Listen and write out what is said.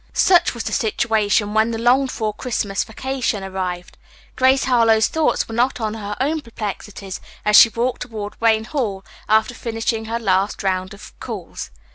Such was the situation when the longed for Christmas vacation arrived. Grace Harlowe's thoughts were not on her own perplexities as she walked toward Wayne Hall after finishing her last round of calls.